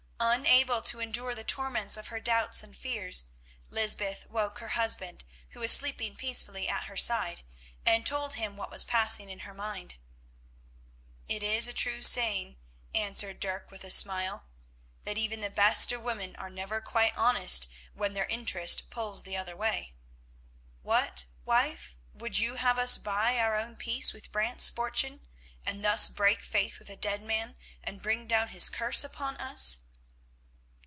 Unable to endure the torments of her doubts and fears, Lysbeth woke her husband, who was sleeping peacefully at her side, and told him what was passing in her mind. "It is a true saying," answered Dirk with a smile, "that even the best of women are never quite honest when their interest pulls the other way. What, wife, would you have us buy our own peace with Brant's fortune, and thus break faith with a dead man and bring down his curse upon us?"